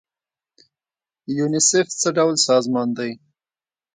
یونیسف څه ډول سازمان دی؟